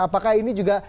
apakah ini juga